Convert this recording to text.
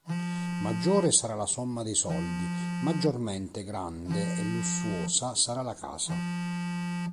Maggiore sarà la somma dei soldi, maggiormente grande e lussuosa sarà la casa.